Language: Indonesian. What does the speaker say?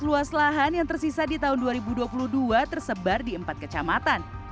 luas lahan yang tersisa di tahun dua ribu dua puluh dua tersebar di empat kecamatan